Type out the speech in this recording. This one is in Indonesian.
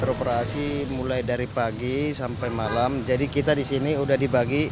beroperasi mulai dari pagi sampai malam jadi kita di sini sudah dibagi